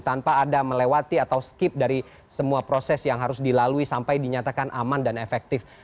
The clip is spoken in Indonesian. tanpa ada melewati atau skip dari semua proses yang harus dilalui sampai dinyatakan aman dan efektif